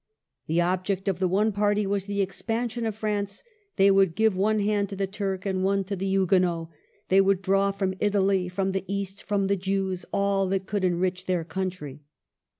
The object of the one party was the expansion of France ; they would give one hand to the Turk and one to the Huguenot; they would draw from Italy, from the East, from the Jews, all that could enrich their coun try.